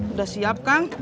udah siap kang